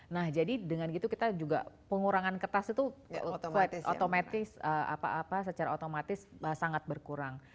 nah jadi dengan gitu kita juga pengurangan kertas itu otomatis secara otomatis sangat berkurang